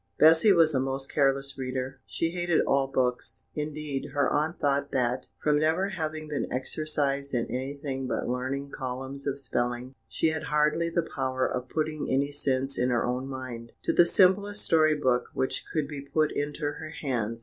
Bessy was a most careless reader; she hated all books; indeed, her aunt thought that, from never having been exercised in anything but learning columns of spelling, she had hardly the power of putting any sense, in her own mind, to the simplest story book which could be put into her hands.